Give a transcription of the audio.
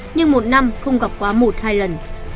nhưng một năm không gặp quá một hai lần